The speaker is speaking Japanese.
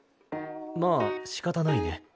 まあしかたないね。